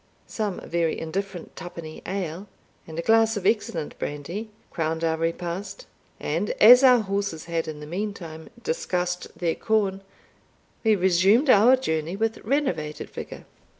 Some very indifferent two penny ale, and a glass of excellent brandy, crowned our repast; and as our horses had, in the meantime, discussed their corn, we resumed our journey with renovated vigour.